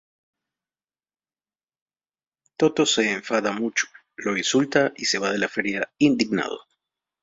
Toto se enfada mucho, lo insulta y se va de la feria indignado.